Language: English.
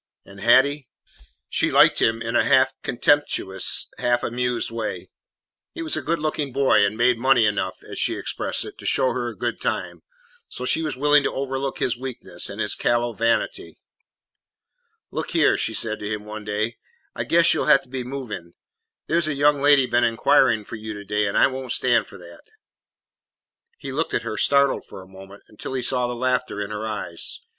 And Hattie? She liked him in a half contemptuous, half amused way. He was a good looking boy and made money enough, as she expressed it, to show her a good time, so she was willing to overlook his weakness and his callow vanity. "Look here," she said to him one day, "I guess you 'll have to be moving. There 's a young lady been inquiring for you to day, and I won't stand for that." He looked at her, startled for a moment, until he saw the laughter in her eyes.